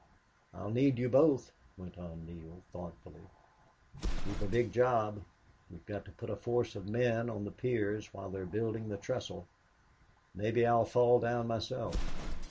"Ill need you both," went on Neale, thoughtfully. "We've a big job. We've got to put a force of men on the piers while we're building the trestle... Maybe I'll fall down myself.